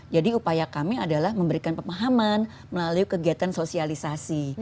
jadi upaya kami adalah memberikan pemahaman melalui kegiatan sosialisasi